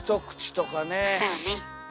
そうね。